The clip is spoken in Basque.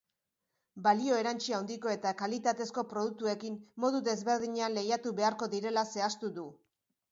Balio erantsi handiko eta kalitatezko produktuekin modu desberdinean lehiatu beharko direla zehaztu du.